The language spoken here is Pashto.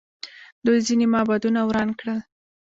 دوی ځینې معبدونه وران کړل